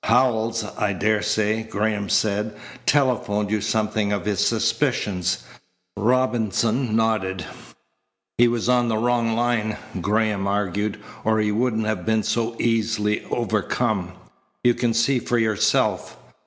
"Howells, I daresay," Graham said, "telephoned you something of his suspicions." Robinson nodded. "He was on the wrong line," Graham argued, "or he wouldn't have been so easily overcome. You can see for yourself.